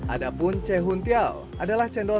adapun cehuntiau adalah cendol